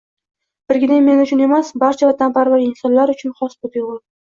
Birgina men uchun emas, barcha vatanparvar insonlar uchun xos bu tuyg‘u